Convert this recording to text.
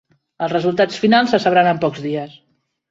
Els resultats finals se sabran en pocs dies.